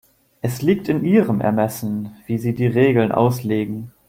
Es liegt in Ihrem Ermessen, wie Sie die Regeln auslegen.